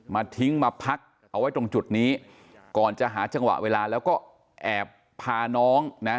ทิ้งมาพักเอาไว้ตรงจุดนี้ก่อนจะหาจังหวะเวลาแล้วก็แอบพาน้องนะ